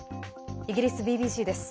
イギリスＢＢＣです。